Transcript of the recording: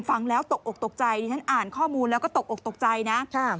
ฟังแล้วตกอกตกใจดิฉันอ่านข้อมูลแล้วก็ตกอกตกใจนะ